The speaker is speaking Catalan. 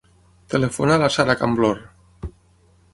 Telefona a la Sara Camblor.